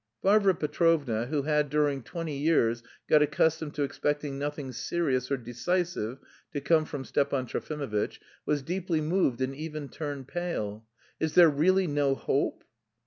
Varvara Petrovna, who had during twenty years got accustomed to expecting nothing serious or decisive to come from Stepan Trofimovitch, was deeply moved and even turned pale. "Is there really no hope?"